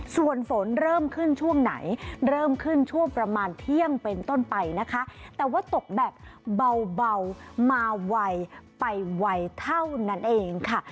ส่วนฝนเริ่มขึ้นช่วงไหนเริ่มขึ้นช่วงประมาณเที่ยงเป็นต้นไปนะคะแต่ว่าตกแบบเบามาไวไปไวเท่านั้นเองค่ะ